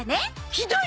ひどい！